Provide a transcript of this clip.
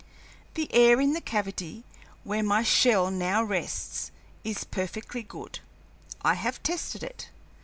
The air in the cavity where my shell now rests is perfectly good; I have tested it.